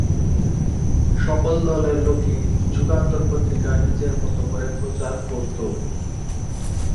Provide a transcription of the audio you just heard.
সকল দলের লোকই যুগান্তর পত্রিকা নিজের মতো করে প্রচার করতো।